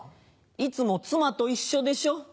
いつもツマと一緒でしょ。